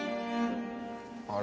あれ？